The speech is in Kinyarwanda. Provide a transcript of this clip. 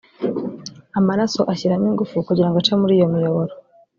amaraso ashyiramo ingufu kugira ngo ace muri iyo miyoboro